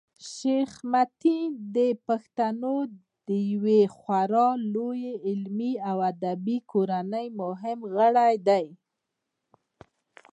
شېخ متي د پښتنو د یوې خورا لويي علمي او ادبي کورنۍمهم غړی دﺉ.